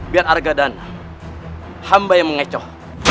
biar arga dana hamba yang mengecoh